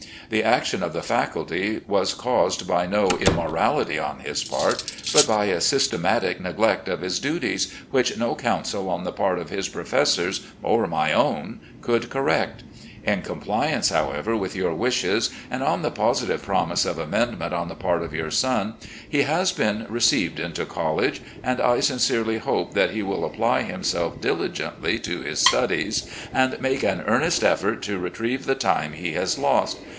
The action of the faculty was caused by no immorality on his part, but by a systematic neglect of his duties, which no counsel on the part of his professors, or my own, could correct. In compliance, however, with your wishes, and on the positive promise of amendment AN ADVISER OF YOUNG MEN *97 on the part of your son, he has been received into college, and I sincerely hope that he will apply himself diligently to his studies, and make an earnest effort to retrieve the time he has lost.